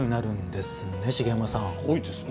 すごいですね。